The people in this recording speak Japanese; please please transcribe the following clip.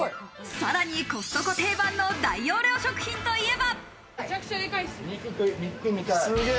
さらにコストコ定番の大容量食品といえば。